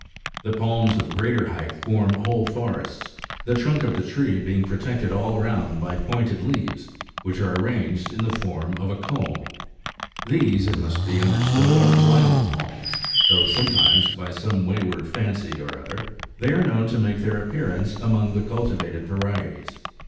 The palms of greater height form whole forests, the trunk of the tree being protected all round by pointed leaves, which are arranged in the form of a comb ; these, it must be understood, are wild palms, though sometimes, by some wayward fancy or other, they are known to make their appearance among the cultivated varieties.